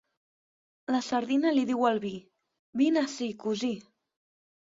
La sardina li diu al vi: Vine ací, cosí.